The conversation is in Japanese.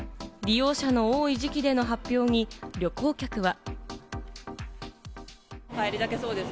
利用者の多い時期での発表に旅行客は。